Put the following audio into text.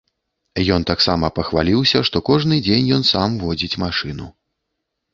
Ён таксама пахваліўся, што кожны дзень ён сам водзіць машыну.